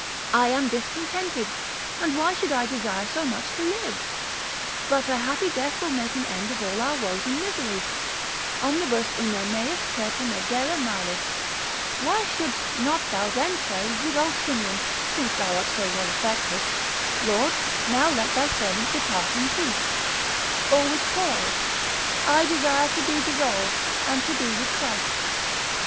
I am discontented, and why should I desire so much to live? But a happy death will make an end of all our woes and miseries; omnibus una meis certa medela malis; why shouldst not thou then say with old Simeon since thou art so well affected, Lord now let thy servant depart in peace: or with Paul, I desire to be dissolved, and to be with Christ?